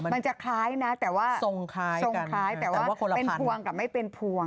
มันจะคล้ายนะแต่ว่าทรงคล้ายทรงคล้ายแต่ว่าแต่ว่าเป็นพวงกับไม่เป็นพวง